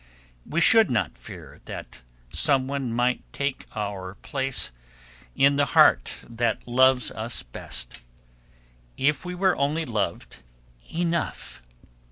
We should not fear that someone might take our place in the heart that loves us best if we were only loved enough.